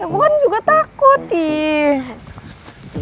ya gue kan juga takut iiih